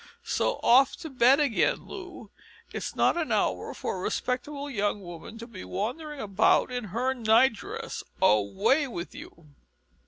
So, off to bed again, Loo. This is not an hour for a respectable young woman to be wanderin' about in her night dress. Away with you!"